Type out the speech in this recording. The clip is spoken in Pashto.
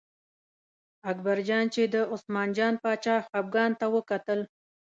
اکبرجان چې د عثمان جان باچا خپګان ته کتل.